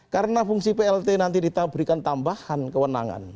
karena fungsi plt nanti diberikan tambahan kewenangan